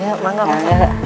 ya paman ya paman